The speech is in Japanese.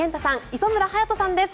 磯村勇斗さんです。